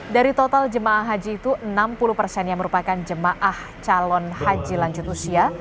dari total jemaah haji itu enam puluh persen yang merupakan jemaah calon haji lanjut usia